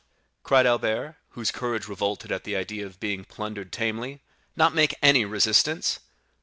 cried Albert, whose courage revolted at the idea of being plundered tamely, "not make any resistance!"